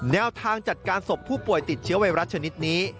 แนวทางจัดการศพผู้ป่วยติดเชื้อไวรัสชนิดนี้